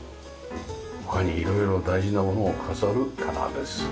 他に色々大事なものを飾る棚です。